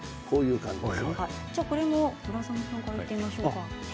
じゃあ、これも村雨さんからいってみましょうか。